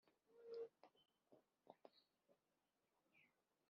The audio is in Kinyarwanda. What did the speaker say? nzakuririmbira ubutaha ubu nta mwanya mfite